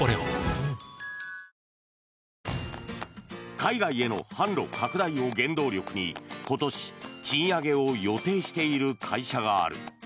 海外への販路拡大を原動力に今年、賃上げを予定している会社がある。